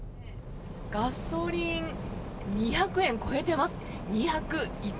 ガソリン２００円超えてます。